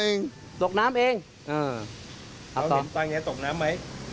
เราเห็นฆ่าเขาตกน้ำ